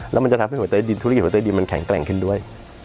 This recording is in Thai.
แล้วมันจะทำให้หัวใจดินธุรกิจหัวใจดินมันแข็งแกร่งขึ้นด้วย